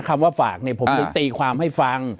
คำว่าฝากเนี่ยผมถึงตีความให้ฟัง